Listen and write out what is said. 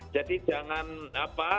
jadi jangan apa